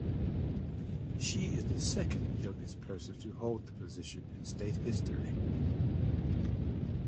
She is the second youngest person to hold the position in state history.